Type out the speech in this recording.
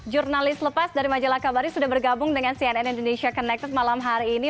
jurnalis lepas dari majalah kabari sudah bergabung dengan cnn indonesia connected malam hari ini